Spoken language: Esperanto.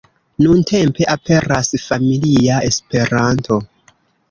Nuntempe aperas "Familia Esperanto".